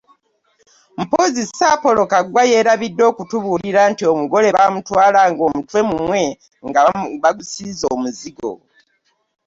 Mpozzi Sir Apollo Kaggwa yeerabidde okutubuulira nti omugole baamutwalanga omutwe mumwe nga bagusiize omuzigo.